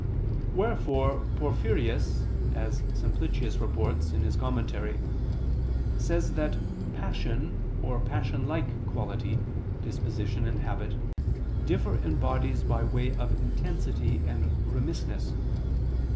Wherefore Porphyrius, as Simplicius reports (Commentary), says that passion or passion like quality, disposition and habit, differ in bodies by way of intensity and remissness.